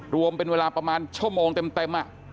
รวมเป็นเวลาประมาณชั่วโมงเต็ม